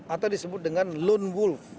atau disebut dengan lone wolf